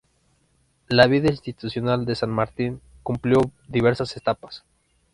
La vida institucional de San Martín cumplió diversas etapas.